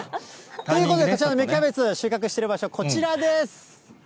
ということで、こちらの芽キャベツ、収穫している場所、こちらです。